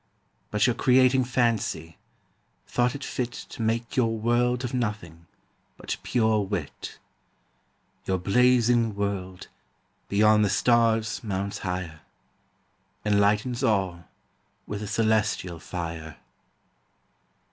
But your Creating Fancy, thought it fit To make your World of Nothing, but pure Wit. Your Blazing World, beyond the Stars mounts higher, Enlightens all with a Cœlestial Fier. William Newcastle.